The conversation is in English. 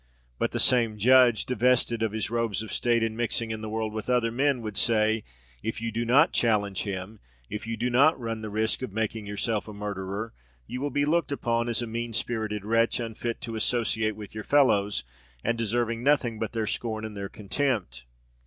but the same judge, divested of his robes of state, and mixing in the world with other men, would say, "If you do not challenge him, if you do not run the risk of making yourself a murderer, you will be looked upon as a mean spirited wretch, unfit to associate with your fellows, and deserving nothing but their scorn and their contempt!"